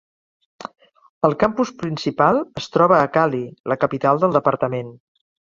El campus principal es troba a Cali, la capital del departament.